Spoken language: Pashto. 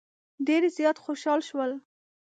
ډېر زیات خوشال شول.